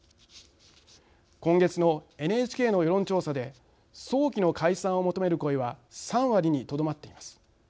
今月のＮＨＫの世論調査で早期の解散を求める声は３割にとどまっています。